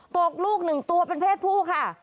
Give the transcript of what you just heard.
ลูกหนึ่งตัวเป็นเพศผู้ค่ะ